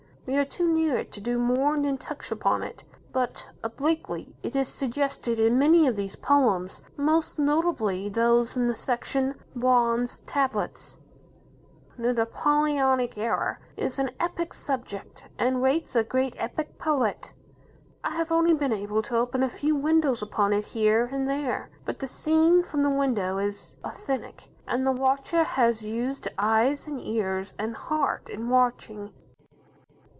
We are too near it to do more than touch upon it. But, obliquely, it is suggested in many of these poems, most notably those in the section, "Bronze Tablets". The Napoleonic Era is an epic subject, and waits a great epic poet. I have only been able to open a few windows upon it here and there. But the scene from the windows is authentic, and the watcher has used eyes, and ears, and heart, in watching.